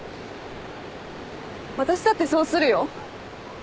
私だってそうするよ。